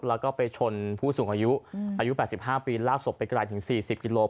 แล้วก็ไปชนผู้สูงอายุอายุ๘๕ปีลากศพไปไกลถึง๔๐กิโล